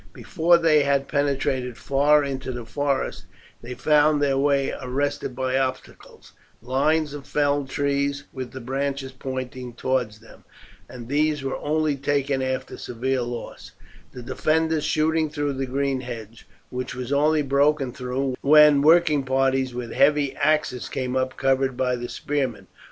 Before they had penetrated far into the forest they found their way arrested by obstacles lines of felled trees with the branches pointing towards them, and these were only taken after severe loss, the defenders shooting through the green hedge, which was only broken through when working parties with heavy axes came up covered by the spearmen.